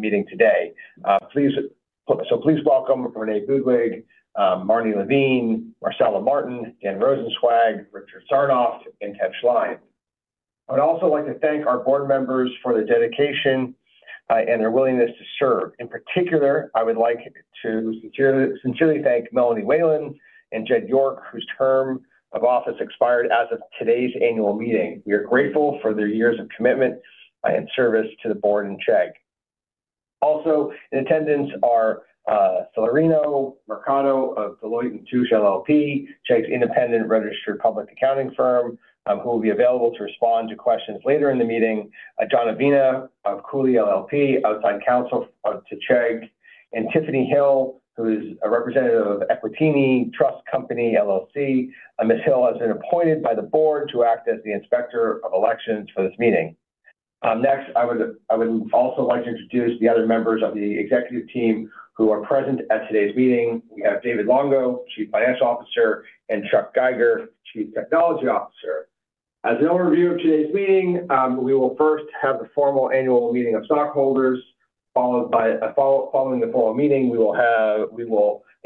Meeting today. Please welcome Renee Budig, Marne Levine, Marcela Martin, Dan Rosensweig, Richard Sarnoff, and Ted Schlein. I would also like to thank our board members for their dedication and their willingness to serve. In particular, I would like to sincerely thank Melanie Whelan and Jed York, whose term of office expired as of today's annual meeting. We are grateful for their years of commitment and service to the board and Chegg. Also, in attendance are Celerino Mercado of Deloitte & Touche LLP, Chegg's independent registered public accounting firm, who will be available to respond to questions later in the meeting. Jon Avina of Cooley LLP, outside counsel to Chegg. Tiffany Hill, who is a representative of Equiniti Trust Company LLC. Ms. Hill has been appointed by the board to act as the inspector of elections for this meeting. Next, I would also like to introduce the other members of the executive team who are present at today's meeting. We have David Longo, Chief Financial Officer, and Chuck Geiger, Chief Technology Officer. As an overview of today's meeting, we will first have the formal annual meeting of stockholders. Following the formal meeting, we will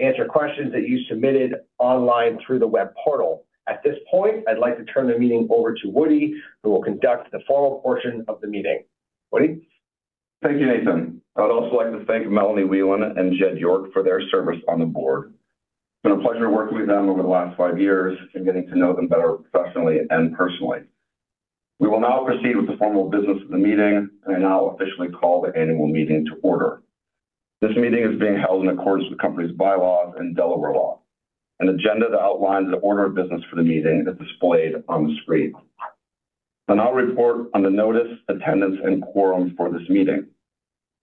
answer questions that you submitted online through the web portal. At this point, I'd like to turn the meeting over to Woodie, who will conduct the formal portion of the meeting. Woodie? Thank you, Nathan. I would also like to thank Melanie Whelan and Jed York for their service on the board. It's been a pleasure working with them over the last five years and getting to know them better professionally and personally. We will now proceed with the formal business of the meeting, and I now officially call the annual meeting to order. This meeting is being held in accordance with the company's bylaws and Delaware law. An agenda that outlines the order of business for the meeting is displayed on the screen. I'll now report on the notice, attendance, and quorum for this meeting.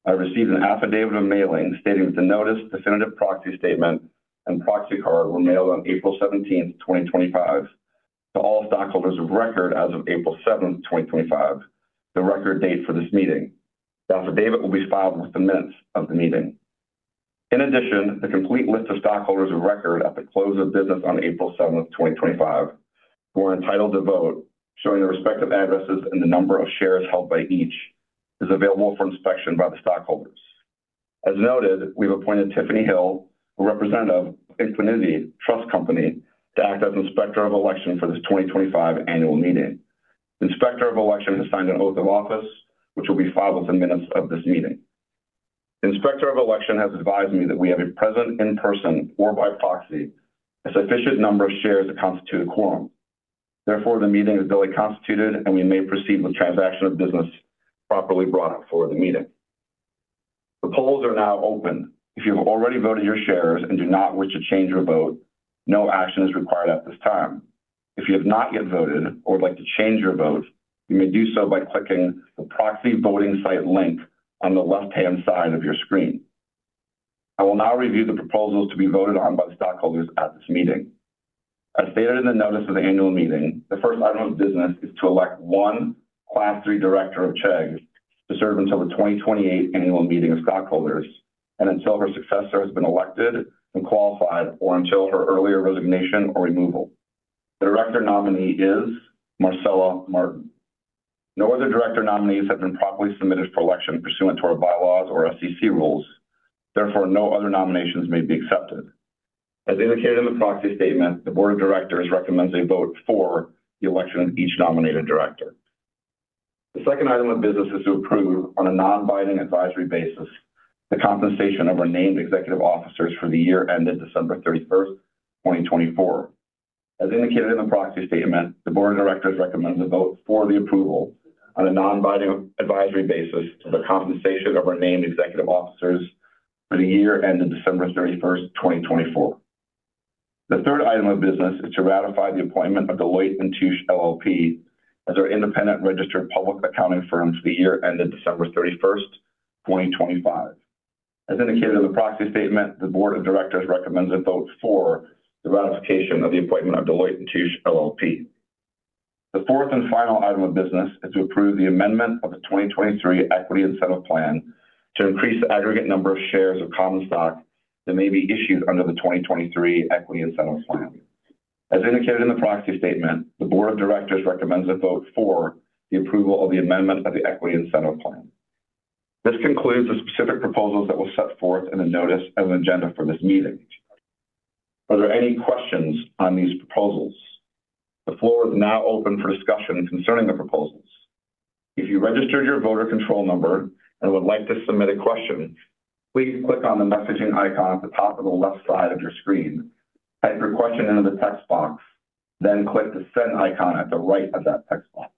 I received an affidavit of mailing stating that the notice, definitive proxy statement, and proxy card were mailed on April 17th, 2025, to all stockholders of record as of April 7th, 2025, the record date for this meeting. The affidavit will be filed with the minutes of the meeting. In addition, the complete list of stockholders of record at the close of business on April 7th, 2025, who are entitled to vote, showing the respective addresses and the number of shares held by each, is available for inspection by the stockholders. As noted, we've appointed Tiffany Hill, a representative of Equiniti Trust Company, to act as inspector of election for this 2025 annual meeting. The inspector of election has signed an oath of office, which will be filed with the minutes of this meeting. The inspector of election has advised me that we have a present in person or by proxy a sufficient number of shares to constitute a quorum. Therefore, the meeting is duly constituted, and we may proceed with transaction of business properly brought up for the meeting. The polls are now open. If you have already voted your shares and do not wish to change your vote, no action is required at this time. If you have not yet voted or would like to change your vote, you may do so by clicking the proxy voting site link on the left-hand side of your screen. I will now review the proposals to be voted on by the stockholders at this meeting. As stated in the notice of the annual meeting, the first item of business is to elect one Class 3 director of Chegg to serve until the 2028 annual meeting of stockholders and until her successor has been elected and qualified or until her earlier resignation or removal. The director nominee is Marcela Martin. No other director nominees have been properly submitted for election pursuant to our bylaws or SEC rules. Therefore, no other nominations may be accepted. As indicated in the proxy statement, the board of directors recommends a vote for the election of each nominated director. The second item of business is to approve on a non-binding advisory basis the compensation of our named executive officers for the year ended December 31st, 2024. As indicated in the proxy statement, the board of directors recommends a vote for the approval on a non-binding advisory basis of the compensation of our named executive officers for the year ended December 31st, 2024. The third item of business is to ratify the appointment of Deloitte & Touche LLP as our independent registered public accounting firm for the year ended December 31st, 2025. As indicated in the proxy statement, the board of directors recommends a vote for the ratification of the appointment of Deloitte & Touche LLP. The fourth and final item of business is to approve the amendment of the 2023 Equity Incentive Plan to increase the aggregate number of shares of common stock that may be issued under the 2023 Equity Incentive Plan. As indicated in the proxy statement, the board of directors recommends a vote for the approval of the amendment of the Equity Incentive Plan. This concludes the specific proposals that were set forth in the notice and the agenda for this meeting. Are there any questions on these proposals? The floor is now open for discussion concerning the proposals. If you registered your voter control number and would like to submit a question, please click on the messaging icon at the top of the left side of your screen, type your question into the text box, then click the send icon at the right of that text box.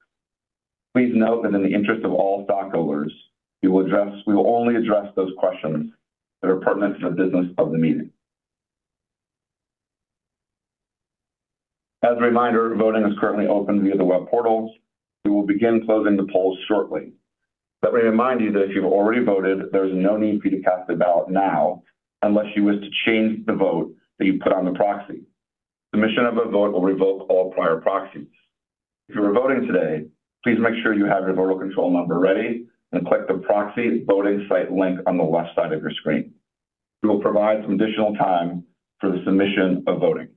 Please note that in the interest of all stockholders, we will only address those questions that are pertinent to the business of the meeting. As a reminder, voting is currently open via the web portal. We will begin closing the polls shortly. Let me remind you that if you've already voted, there is no need for you to cast a ballot now unless you wish to change the vote that you put on the proxy. Submission of a vote will revoke all prior proxies. If you are voting today, please make sure you have your voter control number ready and click the proxy voting site link on the left side of your screen. We will provide some additional time for the submission of voting.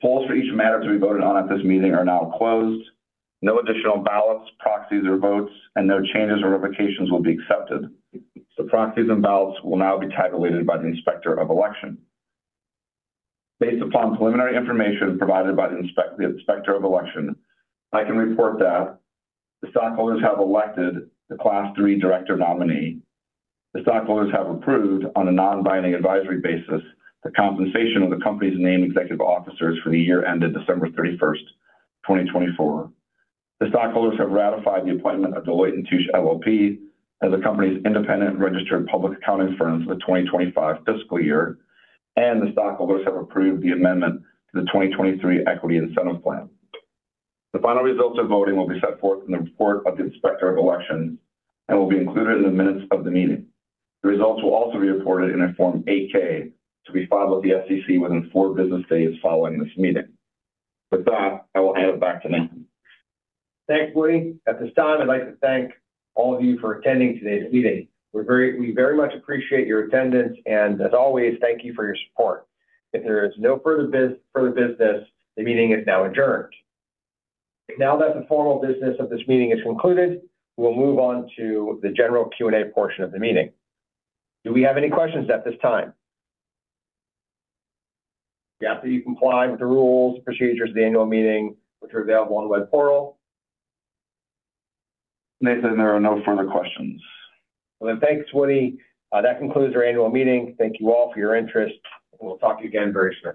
The polls for each matter to be voted on at this meeting are now closed. No additional ballots, proxies, or votes, and no changes or revocations will be accepted. The proxies and ballots will now be tabulated by the inspector of election. Based upon preliminary information provided by the inspector of election, I can report that the stockholders have elected the Class 3 director nominee. The stockholders have approved on a non-binding advisory basis the compensation of the company's named executive officers for the year ended December 31st, 2024. The stockholders have ratified the appointment of Deloitte & Touche LLP as the company's independent registered public accounting firm for the 2025 fiscal year, and the stockholders have approved the amendment to the 2023 Equity Incentive Plan. The final results of voting will be set forth in the report of the inspector of elections and will be included in the minutes of the meeting. The results will also be reported in a Form 8-K to be filed with the Securities and Exchange Commission within four business days following this meeting. With that, I will hand it back to Nathan. Thanks, Woodie. At this time, I'd like to thank all of you for attending today's meeting. We very much appreciate your attendance, and as always, thank you for your support. If there is no further business, the meeting is now adjourned. Now that the formal business of this meeting is concluded, we'll move on to the general Q&A portion of the meeting. Do we have any questions at this time? We ask that you comply with the rules and procedures of the annual meeting, which are available on the web portal. Nathan, there are no further questions. Thanks, Woodie. That concludes our annual meeting. Thank you all for your interest. We'll talk to you again very shortly.